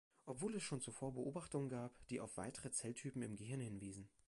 Obwohl es schon zuvor Beobachtungen gab, die auf weitere Zelltypen im Gehirn hinwiesen.